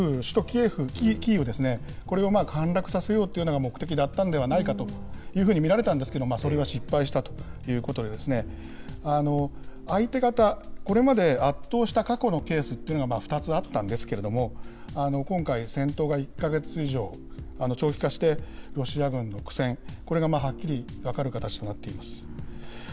首都キーウですね、これを陥落させようというのが目的だったんではないかというふうに見られたんですけれども、それは失敗したということで、相手方、これまで圧倒した過去のケースというのが２つあったんですけれども、今回、戦闘が１か月以上、長期化して、ロシア軍の苦戦、これがはっきり分かる形となっています。